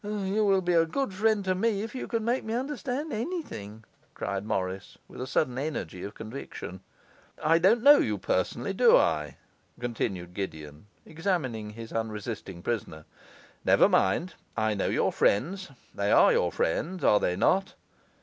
'You will be a good friend to me if you can make me understand anything,' cried Morris, with a sudden energy of conviction. 'I don't know you personally, do I?' continued Gideon, examining his unresisting prisoner. 'Never mind, I know your friends. They are your friends, are they not?